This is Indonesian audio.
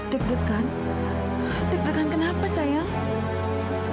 deg degan deg degan kenapa saya